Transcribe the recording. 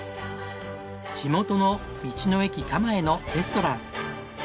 地元の道の駅かまえのレストラン。